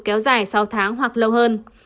kéo dài sáu tháng hoặc lâu hơn